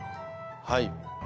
はい。